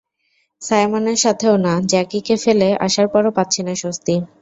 সাইমনের সাথেও না, জ্যাকিকে ফেলে আসার পরও পাচ্ছি না স্বস্তি!